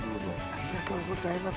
ありがとうございます。